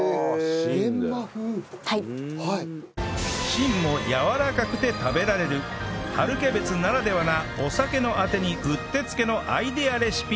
芯もやわらかくて食べられる春キャベツならではなお酒のあてにうってつけのアイデアレシピ